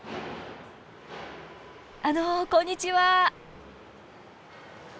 あのうこんにちは！